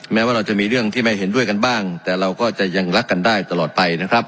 แม้ว่าเราจะมีเรื่องที่ไม่เห็นด้วยกันบ้างแต่เราก็จะยังรักกันได้ตลอดไปนะครับ